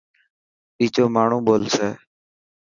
ٻيجو ماڻهو ٻولسي.